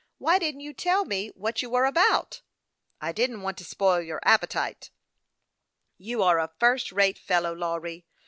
Why didn't you tell me what you were about ;"" I didn't want to spoil your appetite." " You are a first rate fellow, Lawry.